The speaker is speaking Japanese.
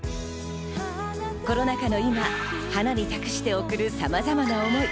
コロナ禍の今、花に託して送るさまざまな想い。